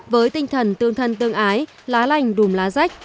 với tinh thần tương thân tương ái lá lành đùm lá rách